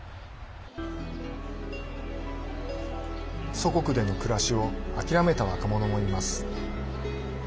祖国での暮らしを諦めた若者もいます。